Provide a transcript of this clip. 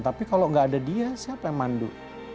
tapi kalau nggak ada dia siapa yang mandu